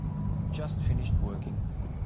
Just finished working.